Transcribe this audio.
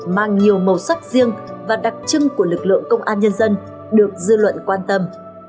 mang nhiều màu sắc riêng và đặc trưng của lực lượng công an nhân dân được dư luận quan tâm